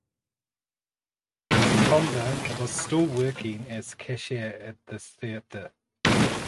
Seconda was still working as cashier at this theatre.